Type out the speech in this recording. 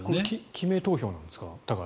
記名投票なんですか？